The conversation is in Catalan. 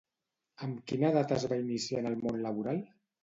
Amb quina edat es va iniciar en el món laboral?